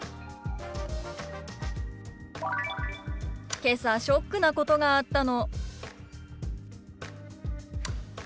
「けさショックなことがあったの」。